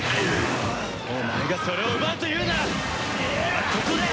お前がそれを奪うというなら今ここで。